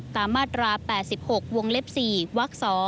ตามมาตรา๘๖วงเล็บ๔วัก๒